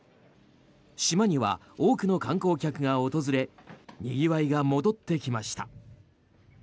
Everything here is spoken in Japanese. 島には多くの観光客が訪れにぎわいが戻ってきました。